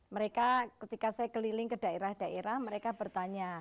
mereka ketika saya keliling ke daerah daerah mereka bertanya